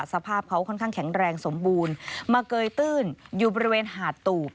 สภาพเขาค่อนข้างแข็งแรงสมบูรณ์มาเกยตื้นอยู่บริเวณหาดตูบ